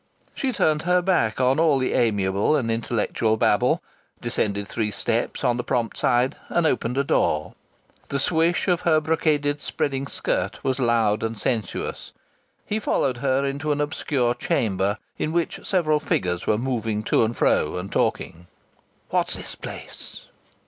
She turned her back on all the amiable and intellectual babble, descended three steps on the prompt side, and opened a door. The swish of her brocaded spreading skirt was loud and sensuous. He followed her into an obscure chamber in which several figures were moving to and fro and talking. "What's this place?"